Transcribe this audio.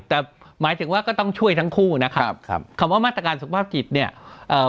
แต่หมายถึงว่าก็ต้องช่วยทั้งคู่นะครับครับคำว่ามาตรการสุขภาพจิตเนี่ยเอ่อ